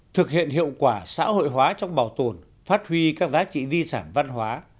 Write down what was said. thực hiện hiệu quả xã hội hóa trong bảo tồn phát huy các giá trị di sản văn hóa